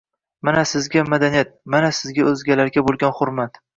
Mana sizga madaniyat, mana sizga oʻzgalarga boʻlgan hurmat...